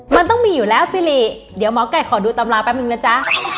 มันต้องมีอยู่แล้วสิริเดี๋ยวหมอไก่ขอดูตำราแป๊บนึงนะจ๊ะ